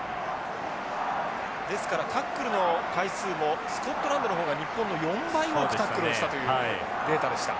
ですからタックルの回数もスコットランドの方が日本の４倍も多くタックルをしたというデータでした。